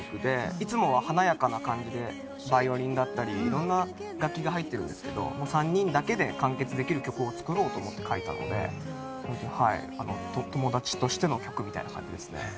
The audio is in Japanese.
いつもは華やかな感じでバイオリンだったり色んな楽器が入ってるんですけど３人だけで完結できる曲を作ろうと思って書いたのでホント友達としての曲みたいな感じですね。